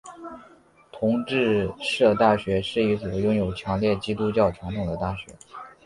同志社大学是一所拥有强烈基督教传统的大学。